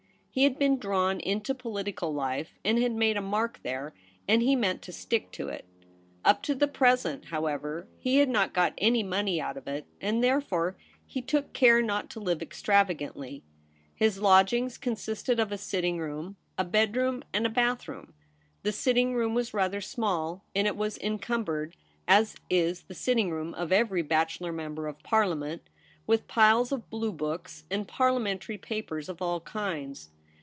He had been drawn into political life and had made a mark there, and he meant to stick to it. Up to the present, however, he had not got any money out of it; and therefore he took care not to live extrava ROLFE BELLARMIN. 189 gantly. His lodgings consisted of a sitting room, a bedroom, and a bath room. The sitting room was rather small, and it was encumbered, as is the sitting room of every bachelor member of Parliament, with piles of blue books and Parliamentary papers of all kinds.